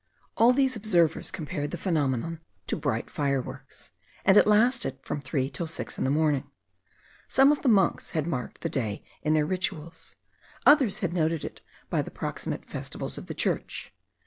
All these observers compared the phenomenon to brilliant fireworks; and it lasted from three till six in the morning. Some of the monks had marked the day in their rituals; others had noted it by the proximate festivals of the Church.